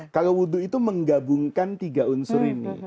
kalau wudhu itu menggabungkan tiga unsur ini